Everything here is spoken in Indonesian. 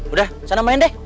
udah sana main deh